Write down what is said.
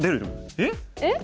えっ？